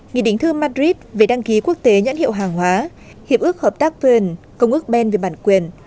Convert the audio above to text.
nghị đính thư madrid về đăng ký quốc tế nhận hiệu hàng hóa hiệp ước hợp tác bên công ước bên về bản quyền